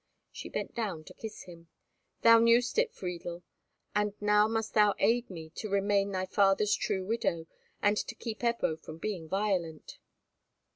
She bent down to kiss him. "Thou knewst it, Friedel, and now must thou aid me to remain thy father's true widow, and to keep Ebbo from being violent."